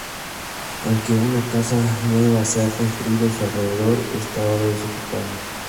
Aunque una casa nueva se ha construido a su alrededor, está ahora desocupada.